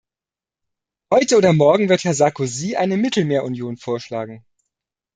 Heute oder morgen wird Herr Sarkozy eine Mittelmeerunion vorschlagen.